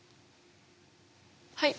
はい。